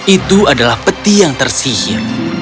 itu adalah peti yang tersihir